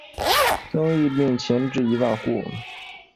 增邑并前至一万户。